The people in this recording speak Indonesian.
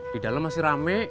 di dalam masih rame